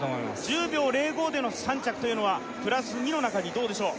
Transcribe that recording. １０秒０５での３着というのはプラス２の中にどうでしょう？